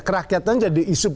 kerakyatan jadi isu